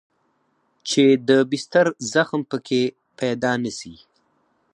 چې د بستر زخم پکښې پيدا نه سي.